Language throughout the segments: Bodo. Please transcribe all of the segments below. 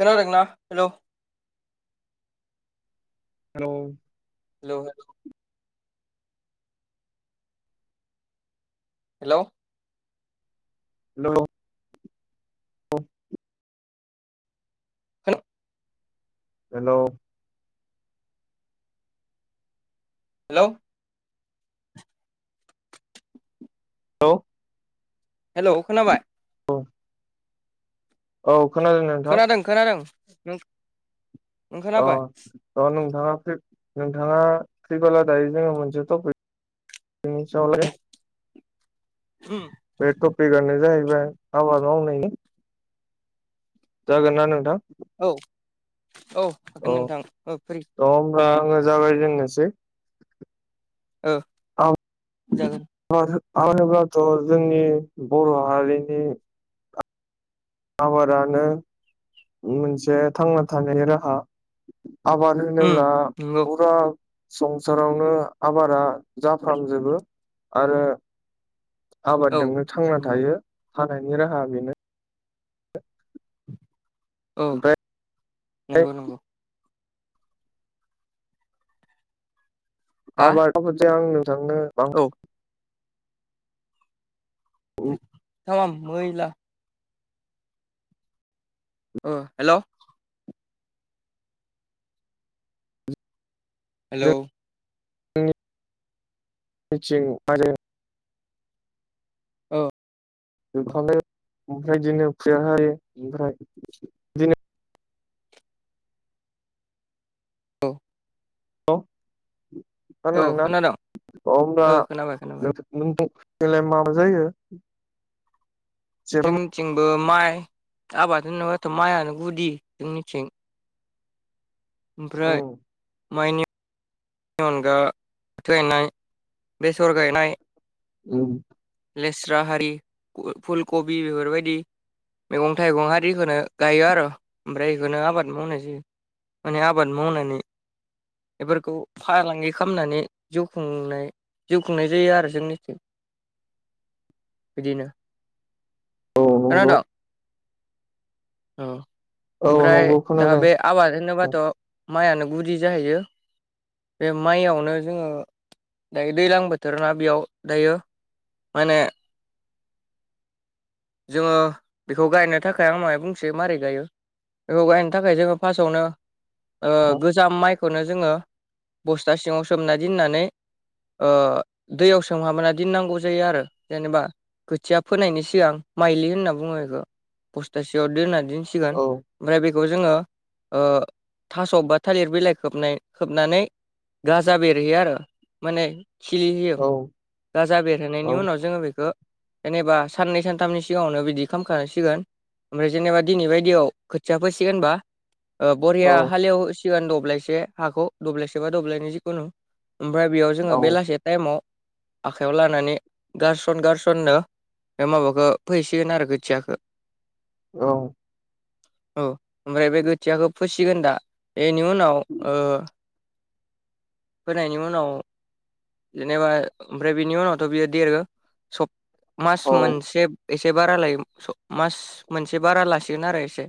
खोनादोंना? Hello hello hello hello hello hello. [unintelligible] Hello hello. Hello hello hello खोनाबाय? औ औ खोनादों खोनादों नों नों अ खोनाबाय अ नों थाङा फ्रि नोंथाङा फ्रिबोला दायो जोङो मोनसे टपिक [unintelligible] उम बे टपिकआनो जाहैबाय आबाद मावनायनि। जागोन ना नोंथां? औ औ हागोन औ नोंथां औ फ्रि । थ' होमब्ला आङो जाबाय जेननोसै औ जागोन। [unintelligible] होनोब्लाथ' जोंनि बर' हारिनि आबादानो मोनसे थांना थानायनि राहा। आबाद होनोब्ला उम नंगौ फुरा संसारावनो आबादा जाफ्रामजोबो आरो औ आबादजोंनो थांना नंगौ थायो। हानायनि राहा बेनो। औ ओमफ्राय नंगौ नंगौ हा आबाद [unintelligible] आं नोंथांनो बां औ बांसिन थामाम मैला ओ हेलौ हेलौ [unintelligible] आरो औ जोबखानाय [unintelligible] ओमफ्राय बिदिनो फुजा हायो ओमफ्राय बिदिनो औ [unintelligible] अ औ खोनादों ओमब्ला औ खोनाबाय खोनाबाय [unintelligible] [unintelligible] लाय माबा जायो जेब्ला जोंनिथिंबो माइ आबाद होनोबाथ' माइआनो गुदि जोंनिथिं। ओमफ्राय उम माइनि नि अनगा [unintelligible] बेसर गायनाय। उम लेस्रा हारि फुलकबि बेफोरबायदि मैगं थाइगं आरिखौनो गायो आरो' ओमफ्राय बेखौनो आबाद मावनाय जायो। माने आबाद मावनानै बेफोरखौ फालांगि खामनानै जिउ खुंनाय जिउ खुंनाय जायो आरो जोंनिथिं। बिदिनो। औ नंगौ खोनादों? औ। औ ओमफ्राय नंगौ दा खोनादों बे आबाद होनोबाथ' माइआनो गुदि जाहैयो। बे माइयावनो जोङो दायो दैज्लां बोथोर ना बेयाव दायो माने जोङो बेखौ गायनो थाखाय आं महाय बुंसै मारै गायो। बेखौ गायनो थाखाय जोङो फार्स्टआवनो ओ नोंथां गोजाम माइ खौनो जोङो बस्था सिङाव सोमना दोननानै ओ दैयाव सोंहाबना दोननांगौ जायो आरो जेनेबा। खोथिया फोनायनि सिगां। माइलि होनना बुङो बेखौ बस्था सिंयाव दोनना दोनसिगोन औ ओमफ्राय बे खौ जोङो थास' बा थालिर बिलाइ खोबनाय खोबनानै गाजा बेरहैयो आरो माने खिलि होयो औ गाजा औ बेरहोनायनि उनाव जोङो बेखौ जेनेबा साननै सानथामनि सिगाङावनो बिदि खालामखांसिगोन ओमफ्राय जेनेबा दिनै बायदियाव खोथिया फोसिगोनबा ओ औ बरिया हालेव सिगां दब्लायसे हाखौ दब्लायसे बा दब्लायनि जिखुनु। ओमफ्राय बेयाव जोङो औ बेलासे टाइमाव आखाइयाव लानानै गारसन गारसननो बे माबाखो फोहैसिगोन आरो खोथियाखौ। औ औ ओमफ्राय बे गोथियाखौ फिसिगोन दा एनि उनाव होनायनि उनाव जेनेबा ओमफ्राय बिनि उनावथ' बियो देरो सब मास औ मोनसे एसे बारा लायो मास मोनसे बारा लासिगोन आरो एसे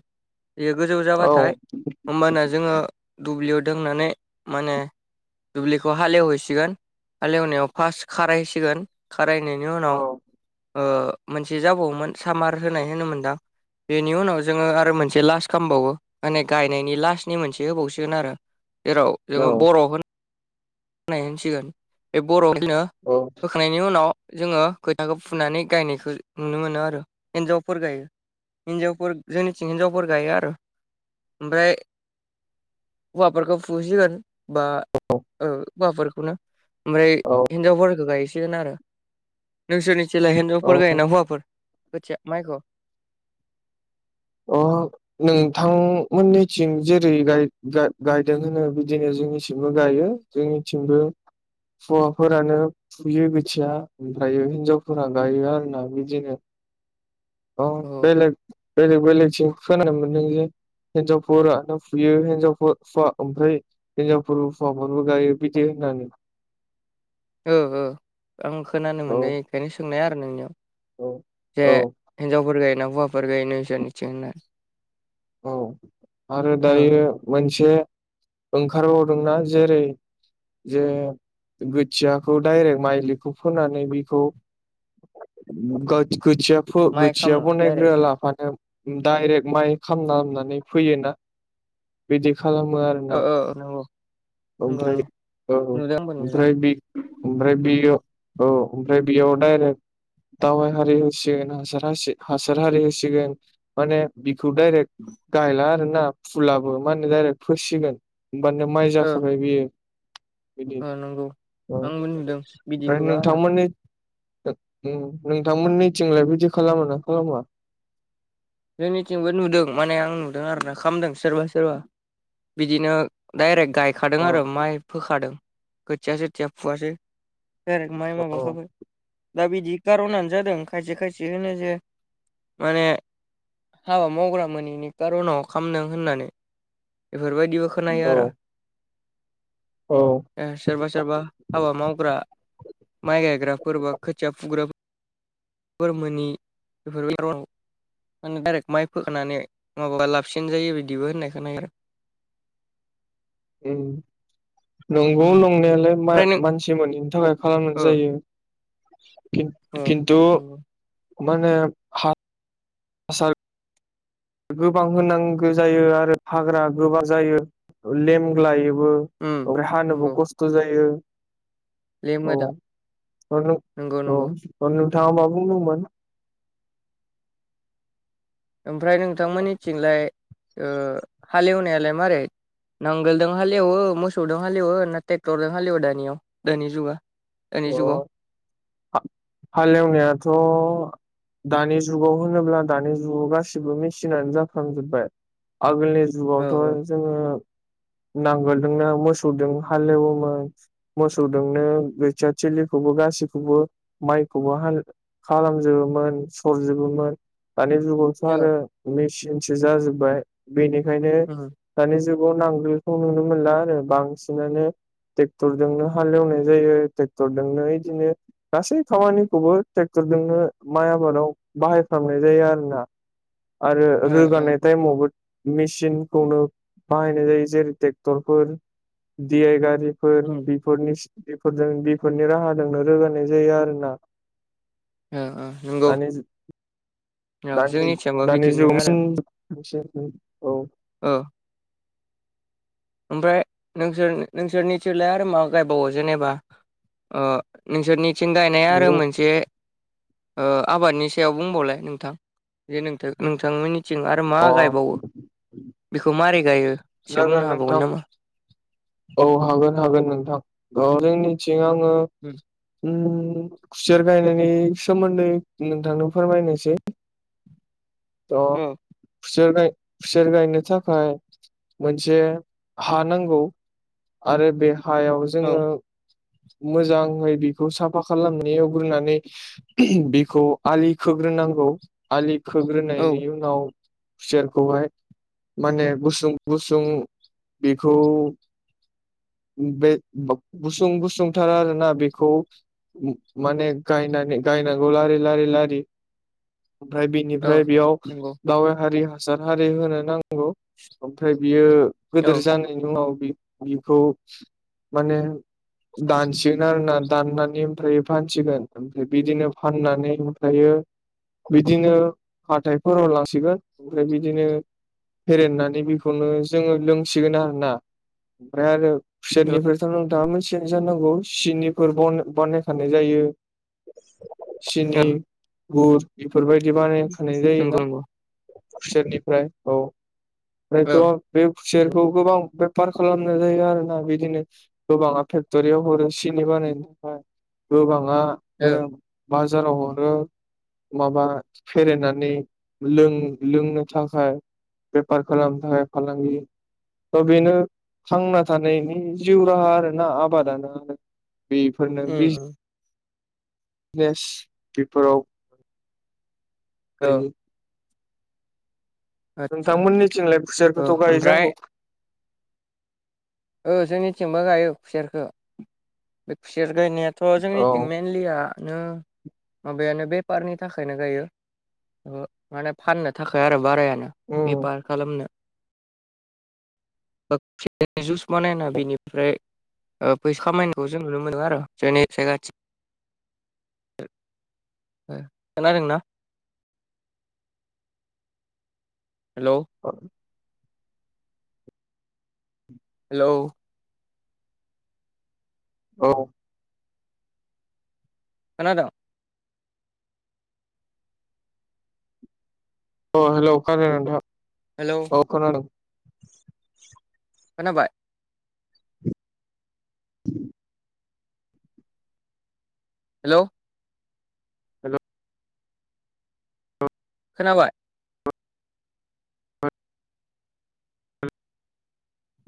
बेयो गोजौ जाबाथाय होमबाना जोङो दुब्लियाव दोंनानै माने दुब्लिखौ हालेवहैसिगोन हालेवनायाव फार्स्ट खारायहसिगोन खारायनायनि उनाव मोनसे जाबावोमोन सामार होनाय होनोमोनदां बेनि उनाव जोङो आरो मोनसे लास्ट खामबावो माने गायनायनि लास्टनि मोनसे होबावसिगोन आरो जेराव जोङो बर' होननाय होनसिगोन बे बर' बिनो होखांनायनि उनाव जोङो खोथाखौ फुनानै गायनायखौ नुनो मोनो आरो हिनजावफोर गायो हिनजावफोर जोंनिथिं हिनजावफोर गायो आरो ओमफ्राय होवाफोरखौ फुहोसिगोन बा औ हौवाफोरखौनो ओमफ्राय औ हिनजावफोरखौ गायसै गोन आरो नोंसोरनिथिंलााय औ हिनजावफोर गायोना हौवाफोर खोथिया माइखौ अ नोंथांमोननिथिं जेरै गायदों होनो बिदिनो जोंनिथिमबो गायो जोंनिथिंबो हौवाफोरानो फुयो खोथिया ओमफ्रायो हिनजावफोरा गायो आरोना बिदिनो औ अ बेलेग बेलेग बेलेगथिं खोनानो मोनदों जे हिनजावफोरानो फुयो हिनजावफोर फुवा ओमफ्राय हिनजावफोरबो हौवाफोरबो गायो बिदि होननानै ओ ओ आं खोनानो औ मोननाय खायनो सोंनाय आरो नोंनियाव औ जे औ हिनजावफोर गायोना हौवाफोर गायो नोंसोरनिथिं होनना औ आरो औ दायो मोनसे ओंखारबावदोंना जेरै जे खोथियाखौ डाइरेक्ट माइलिखौ फोनानै बेखौ खोथिया माइ खोथिया खामो डाइरेक्ट बानायनायग्रो लाफानो दायरेक्ट माइ खामनानानै फैयोना बिदि खालामो आरो ना ओ ओ नंगौ नंगौ ओमफ्राय नंगौ औ नुदों आंबो नुदों ओमफ्राय बे ओमफ्राय बेयो औ ओमफ्राय बेयाव दायरेक्ट दावबाय हारि होसिगोन हासार हारि होसिगोन माने बे खौ डाइरेक्ट गायला आरोना फुलाबो मा होनो दाइरेक्ट फोसिगोन होमबानिया माइ ओ जाखाबाय बियो बिदि ओ नंगौ औ आंबो नुदों ओमफ्राय बिदिखौबो आरो नोंथांमोननि नोंथांमोननिथिंलाय बिदि खालामो ना खालामा जोंनिथिंबो नुदों माने आं नुदों आरो ना खालामदों सोरबा सोरबा बिदिनो दायरेक्ट गायखादों अ आरो माइ फोखादों खोथिया सोथिया फुआसै दायरेक्टमाइ औ माबाखाबाय दा बिदि कारनानो जादों खायसे खायसे होनो जे माने हाबा मावग्रा मोनैनि खारनाव खामदों होननानै बेफोर बायदि खोनायो आरो औ सोरबा सोरबा हाबा मावग्रा माइ गायग्राफोर बा खोथिया फुग्रा फोर मोनि बेफोराव माने दायरेक्ट माइ फोखानानै माबाबा लाबसिन जायो बिदिबो होननाय खोनायो आरो उम नंगौ ओमफ्राय लंनायालाय नों मानसि मोनैनि थाखाय खालामनाय ओ जायो ओ खिन्थु [inaudible] नंगौ गोबां होनांगो जायो आरो हाग्रा गोबां जायो लेमग्लायो बो उम ओमफ्राय हानोबो नंगौ खस्थ' जायो [inaudible] लेमो दा नंगौ नंगौ दा मा बुंदोंमोन ओमफ्राय नोंथांमोननिथिंलाय हालेवनायालाय मारै नांगोलजों हालेवो मोसौजों हालेवो ना ट्रेक्टरजों हालेवो दानियाव दानि जुगा दानि जुगाव हालेवनायाथ' दानि जुगाव होनोब्ला दानि जुगाव गाससिबो मेचनानो जाफ्लांजोबबाय आगोलनि औ जुगावथ' जोङो नांगोलदोंनो मोसौजों हालेवोमोन मोसौदोंनो फिसाादथिलिखौबो गासैखौबो माइखौबो ह खालामजोबोमोन सरजोबोमोन दानि जुगावथ' औ औ आरो मेचिनसो जाजोबबाय बेनिखायनो उम दानि जुगा व नांगोलखौ नुनो मोनला आरो बांसिनानो ट्रेक्टरजोंनो हालेवनाय जायो। टेक्टरदोंनो इदिनो गासै खामानिखौबो टेक्टरजोंनो माइ आबादाव बाहाय फ्रामनाय जायो आरोना आरो ओ रोगानाय टाइमावबो मेसिनखौनो बाहायनाय जायो जेरै टेक्टरफोर डि आइ गारि फोर उम बेफोर मेसि बेफोरजों बेफोरनि राहाजोंनो रोगानाय जायो आरोना। ओ ओ नोंगौ। दानि दानि दानि बिदिनो जुगनि [unintelligible] ओ। ओमफ्राय नोंसोर नोंसोरनिथिलाय आरो मा गायबावो जेनेबा अह नोंसोरनिथिं गायनाया आरो जों मोनसे ओ आबादनि सायाव बुंबावलाय नोंथां जे नोंथो नोंथां मोननि थिं आरो मा अ गायबावो बेखौ मारै गायो एसे जागोन बुंनो नोंथां हाबावगोन नामा? औ हागोन हागोन नोंथां औ जोंनिथिं आङो उम उम खुसेर गायनायनि सोमोन्दै नोंथांनो फोरमायनोसै। अह खुसेर गाय खुसेर गायनो थाखाय मोनसे हा नांगौ आरो बे हायाव औ जोङो मोजाङै बेखौ साफा खालामनो एवग्रोनानै बेखौ आलि खोग्रो नांगौ आलि औ खोग्रोनायनि उनाव खुसेरखौहाय माने गुसुं गुसुं बेखौ बे गुसुं गुसुं थार आरो ना बेखौ माने गायनानै गायनांगौ लारि लारि लारि। ओमफ्राय औ बिनिफ्राय बेयाव नंगौ गाव हारि हासार हारि होनो नांगौ ओमफ्राय बियो औ गोदोर जानायनि उनाव बिखौ माने दानसिगोन आरोना दाननानै ओमफ्राय फानसिगोन ओमफ्राय बिदिनो फाननानै ओमफ्रायो बिदिनो हाथायफोराव लासिगोन ओमफ्राय बिदिनो फेरेननानै बेखौनो जोङो लोंसिगोन आरो ना। ओमफ्राय आरो औ खुसेेरनिफ्रायथ' नोंथाङा मोनथि गौ जानांगौ सिनिफोर बन बानायखानाय जायो। सिनि गुर बेफोरबायदि बानाय खानाय जायोना। नंगौ नंगौ खुसेरनिफ्राय औ ओमफ्रायथ' औ बे खुसेरखौ गोबां बे फार खालामनाय जायो आरोना बिदिनो गोबांआ फे क्टरियाव हरो सिनि बानायनो थाखाय गोबाङानो औ बाजाराव हरो। माबा फेरेनानै लों-लोंनो थाखाय। बेेपार खालाम थाखाय फालांगि थ' बेनो थांना थानायनि जिउ राहा आरोना आ बादाना आरो बेफोरनो उम बिज उम नेस बेफोराव औ गायो। आदसा नोंथांमोननि थिंलाय औ फुसेरखोथ' गायो ओमफ्राय जांर'? ओ जोंनिथिंबो गायो खुसेरखो बे खुसेर गायनाया थ' औ जोंनिथिं मेनलियानो माबायानो बे पारनि थाखायनो गायो ओ माने फाननो थाखाय आरो बाराया उम बेफार खालामनो [unintelligible] बानायना बिनिफ्राय ओ फैसा खामायनायखो जों नुनो मोनो आरो जोंनि जायगाथि। ओ खोनादोंना? [inaudible] हेलौ औ [inaudible] हेलौ औ। खोनादों अ हेल' खोनादों नोंथां हेलौ औ खोनादों खोनाबाय [inaudible] हेल'। हेल'। खोनाबाय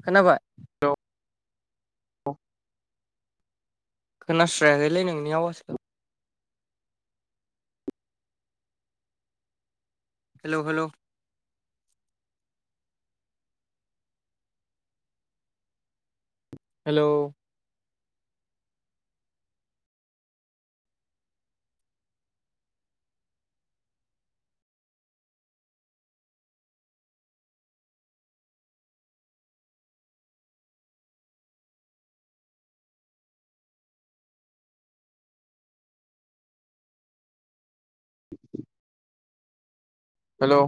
खोनाबाय। [unintelligible] खोनास्रायाखैलै नोंनि आवासखौ हेल' हेल'। हेलौ। [inaudible] हेल'